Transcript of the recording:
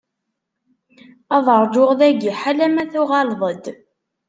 Ad ṛǧuɣ dagi ḥala ma tuɣaleḍ-d.